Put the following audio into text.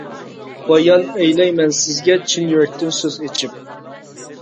بايان ئەيلەي مەن سىزگە، چىن يۈرەكتىن سۆز ئېچىپ.